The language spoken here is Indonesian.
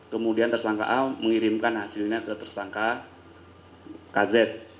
kemudian tersangka a mengirimkan hasilnya ke tersangka kz